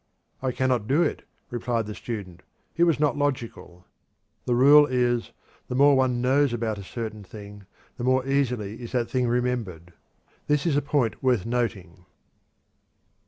"I cannot do it," replied the student; "it was not logical." The rule is: The more one knows about a certain thing, the more easily is that thing remembered. This is a point worth noting.